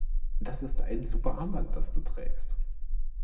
Das ist ein super Armband, das du trägst.